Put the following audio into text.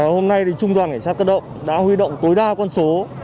hôm nay trung đoàn nghệ sát cất động đã huy động tối đa con số